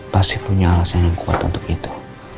pasti punya alasan yang kuat untuk itu